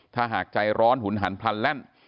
ถ้าหากใจร้อนหุนหันพลันแล่น